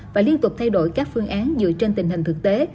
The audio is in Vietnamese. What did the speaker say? và liên tục thay đổi các phương án dựa trên tình hình thực tế